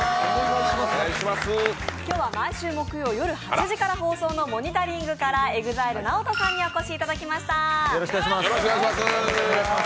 今日は毎週木曜夜８時から放送の「モニタリング」からＥＸＩＬＥＮＡＯＴＯさんにお越しいただきました。